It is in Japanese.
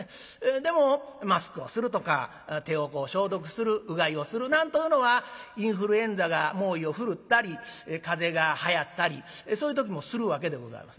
でもマスクをするとか手を消毒するうがいをするなんというのはインフルエンザが猛威を振るったり風邪がはやったりそういう時もするわけでございますね。